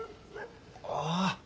ああ！